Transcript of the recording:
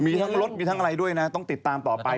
มีทั้งรถมีทั้งอะไรด้วยนะต้องติดตามต่อไป